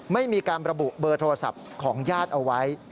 ไม่มีการระบุเบอร์โทรศัพท์ของญาติเอาไว้